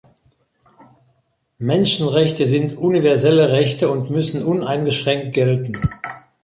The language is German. Menschenrechte sind universelle Rechte und müssen uneingeschränkt gelten.